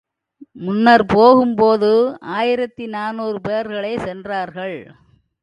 முன்னர், போகும் போது ஆயிரத்தி நானூறு பேர்களே சென்றார்கள்.